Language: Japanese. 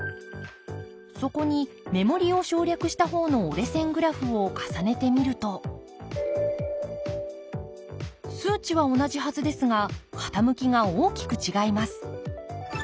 そこに目盛りを省略した方の折れ線グラフを重ねてみると数値は同じはずですが傾きが大きく違います。